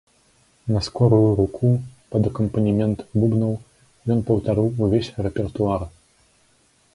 На скорую руку, пад акампанемент бубнаў, ён паўтарыў увесь рэпертуар.